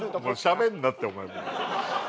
しゃべるなってお前もう。